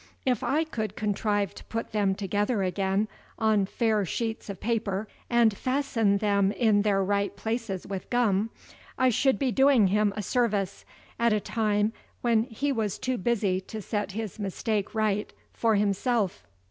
If I could contrive to put them together again on fair sheets of paper, and fasten them in their right places with gum, I should be doing him a service, at a time when he was too busy to set his mistake right for himself.